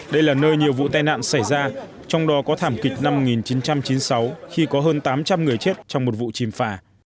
đây là nơi nhiều vụ tai nạn xảy ra trong đó có thảm kịch năm một nghìn chín trăm chín mươi sáu khi có hơn tám trăm linh người chết trong một vụ chìm phà